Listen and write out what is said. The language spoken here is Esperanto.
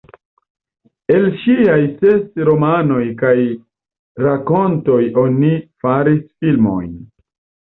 El ŝiaj ses romanoj kaj rakontoj oni faris filmojn.